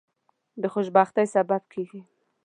د خوشبختی سبب کیږي.